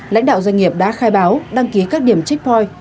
lãnh đạo doanh nghiệp đã khai báo đăng ký các điểm checkpoint